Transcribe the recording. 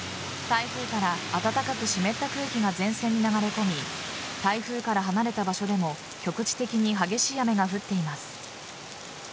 台風から暖かく湿った空気が前線に流れ込み台風から離れた場所でも局地的に激しい雨が降っています。